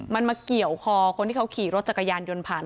มันมาเกี่ยวคอคนที่เขาขี่รถจักรยานยนต์ผ่าน